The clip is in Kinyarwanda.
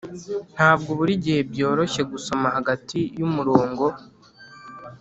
ntabwo buri gihe byoroshye gusoma hagati yumurongo.